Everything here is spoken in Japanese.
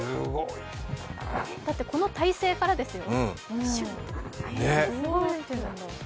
だってこの体勢からですよ、すごい。